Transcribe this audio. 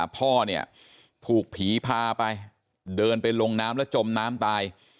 พ่อเนี่ยถูกผีพาไปเดินไปลงน้ำแล้วจมน้ำตาย